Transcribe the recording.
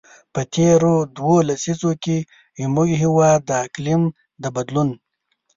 په تېرو دوو لسیزو کې، زموږ هېواد د اقلیم د بدلون.